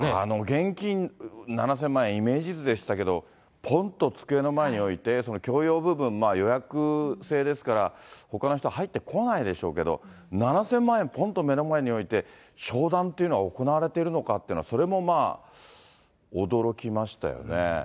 現金７０００万円、イメージ図でしたけど、ぽんと机の前に置いて、共用部分、予約制ですから、ほかの人は入ってこないでしょうけど、７０００万円ぽんと目の前に置いて、商談っていうのは行われているのかっていうのは、それもまあ、驚きましたよね。